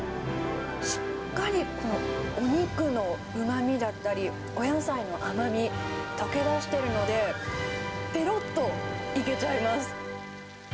しっかりこのお肉のうまみだったり、お野菜の甘み、溶け出してるので、ぺろっといけちゃいます。